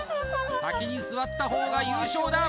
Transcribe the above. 先に座った方が優勝だ